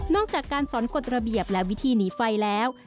จากการสอนกฎระเบียบและวิธีหนีไฟแล้ว